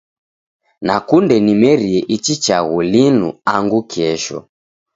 Nakunde nimerie ichi chaghu linu angu kesho.